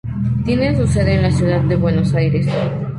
Tiene su sede en la ciudad de Buenos Aires.